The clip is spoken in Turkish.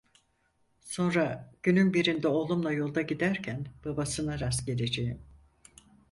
Sonra günün birinde oğlumla yolda giderken babasına rastgeleceğim.